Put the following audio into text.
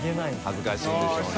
恥ずかしいんでしょうね。